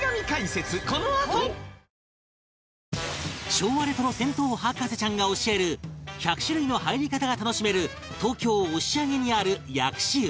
昭和レトロ銭湯博士ちゃんが教える１００種類の入り方が楽しめる東京押上にある薬師湯